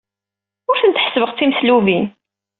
Ur tent-ḥessbeɣ d timeslubin.